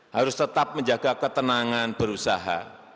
harus tetap menjaga ketenangan berusaha